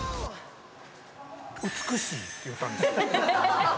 美しいって言ったんです。